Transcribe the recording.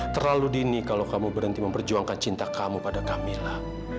terlalu dini kalau kamu berhenti memperjuangkan cinta kamu pada kami lah